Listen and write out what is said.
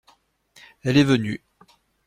Elle est venue.